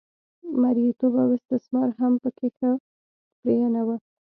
مریتوب او استثمار هم په کې ښه پرېنه و